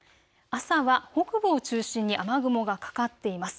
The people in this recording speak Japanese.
朝は北部を中心に雨雲がかかっています。